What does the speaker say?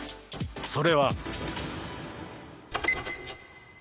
それは。